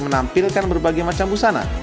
menampilkan berbagai macam busanai